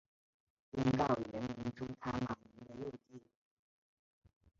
宾告原名朱他玛尼的幼弟。